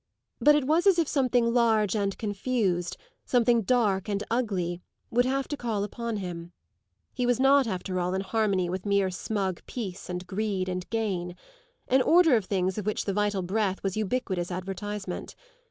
But it was as if something large and confused, something dark and ugly, would have to call upon him: he was not after all in harmony with mere smug peace and greed and gain, an order of things of which the vital breath was ubiquitous advertisement.